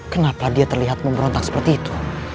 kenapa dia terlihat memberontak seperti itu